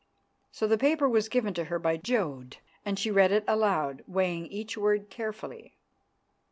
So the paper was given to her by Jodd, and she read it aloud, weighing each word carefully.